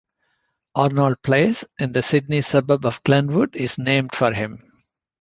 Arnold Place in the Sydney suburb of Glenwood is named for him.